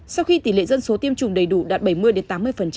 sau khi tỷ lệ dân số tiêm chủng đầy đủ đạt bảy mươi đến tám mươi